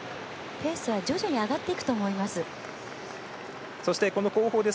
ペースは徐々に上がっていくと思います。